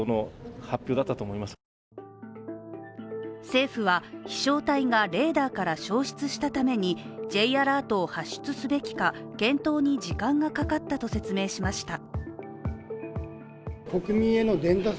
政府は、飛しょう体がレーダーから消失したためにＪアラートを発出すべきか検討に時間がかかったと説明しました。